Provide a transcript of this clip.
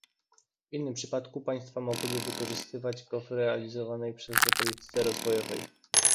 W innym przypadku państwa mogłyby wykorzystywać go w realizowanej przez nie polityce rozwojowej